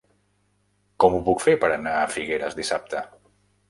Com ho puc fer per anar a Figueres dissabte?